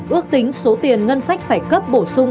ước tính số tiền ngân sách phải cấp bổ sung